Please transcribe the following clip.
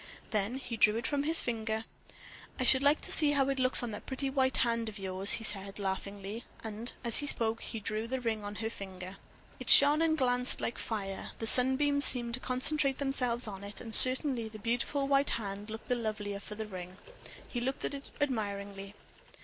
Then he drew it from his finger. "I should like to see how it looks on that pretty white hand of yours," he said, laughingly; and, as he spoke, he drew the ring on her finger. It shone and glanced like fire; the sunbeams seemed to concentrate themselves on it; and, certainly, the beautiful white hand looked the lovelier for the ring. He looked at it admiringly.